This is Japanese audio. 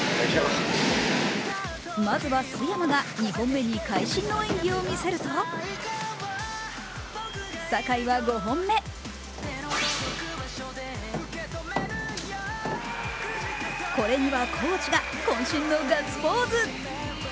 まずは須山が２本目に会心の演技を見せると坂井は５本目これにはコーチがこん身のガッツポーズ。